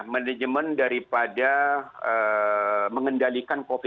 manajemen daripada mengendalikan konsumsi